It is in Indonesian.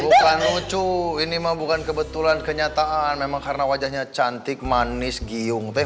bukan lucu ini mah bukan kebetulan kenyataan memang karena wajahnya cantik manis giyung